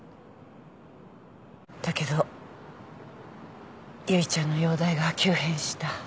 だけど結衣ちゃんの容体が急変した。